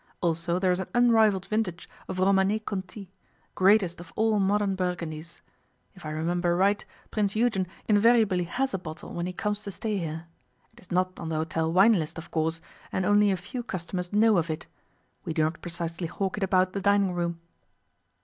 Also there is an unrivalled vintage of Romanée Conti, greatest of all modern Burgundies. If I remember right Prince Eugen invariably has a bottle when he comes to stay here. It is not on the hotel wine list, of course, and only a few customers know of it. We do not precisely hawk it about the dining room.